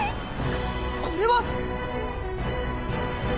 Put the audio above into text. ここれは！